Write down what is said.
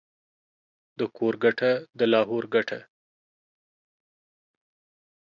د کور گټه ، دلاهور گټه.